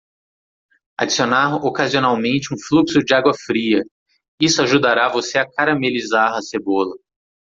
Adicionar ocasionalmente um fluxo de água fria; Isso ajudará você a caramelizar a cebola.